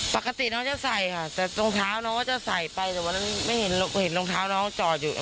ปกติน้องจะใส่ค่ะแต่รองเท้าน้องก็จะใส่ไปแต่วันนั้นไม่เห็นเห็นรองเท้าน้องจอดอยู่